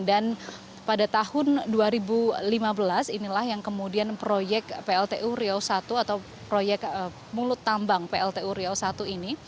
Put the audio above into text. dan pada tahun dua ribu lima belas inilah yang kemudian proyek pltu riau satu atau proyek mulut tambang pltu riau satu ini